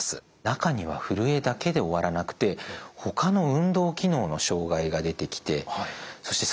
中にはふるえだけで終わらなくてほかの運動機能の障害が出てきてそして